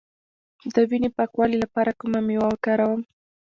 د وینې د پاکوالي لپاره کومه میوه وکاروم؟